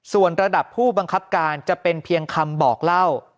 ส่วนระดับผู้บังคับการจะเป็นเพียงคำบอกเล่า